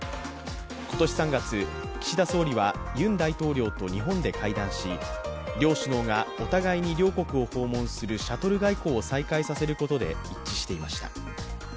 今年３月、岸田総理はユン大統領と日本で会談し、両首脳がお互いに両国を訪問するシャトル外交を再開させることで一致していました。